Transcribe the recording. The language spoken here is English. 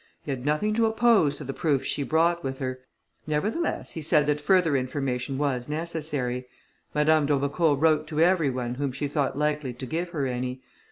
He had nothing to oppose to the proofs she brought with her; nevertheless he said that further information was necessary. Madame d'Aubecourt wrote to every one whom she thought likely to give her any.